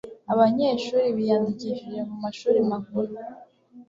abanyeshuri biyandikishije mu mashuri makuru